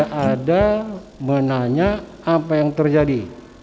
saya menanya apa yang terjadi